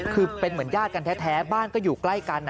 คือเป็นเหมือนญาติกันแท้บ้านก็อยู่ใกล้กัน